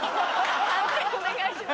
判定お願いします。